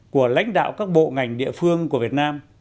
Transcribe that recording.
của lãnh đạo các bộ ngành địa phương của việt nam